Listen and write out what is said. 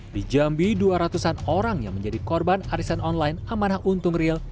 di jambi dua ratus an orang yang menjadi korban arisan online amanah untung real